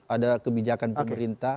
ada kebijakan pemerintah